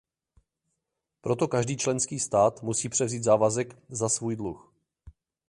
Proto každý členský stát musí převzít závazek za svůj dluh.